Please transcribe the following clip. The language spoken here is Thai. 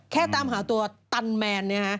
ตามหาตัวตันแมน